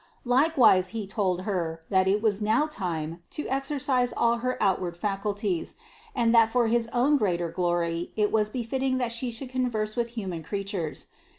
Likewise He told Her, that it was now time to exercise all her out ward faculties, and that for his own greater glory it was befitting that She should converse with human creatures.